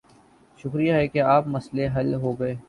شکر ہے کہ آپ کا مسئلہ حل ہوگیا